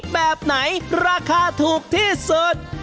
แบบไหนราคาถูกที่สุด